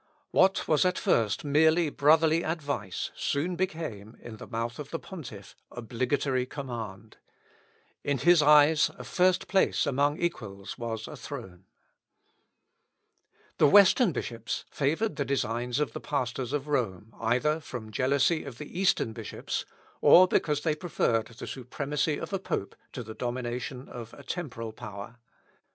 What was at first mere brotherly advice soon became, in the mouth of the Pontiff, obligatory command. In his eyes a first place among equals was a throne. Eusebius, Hist. Eccl. 1. v, c. 24. Socrat. Hist. Eccl. c. 21. Cyprian, Ep. 59, 72, 75. The Western bishops favoured the designs of the pastors of Rome, either from jealousy of the Eastern bishops or because they preferred the supremacy of a pope to the domination of a temporal power.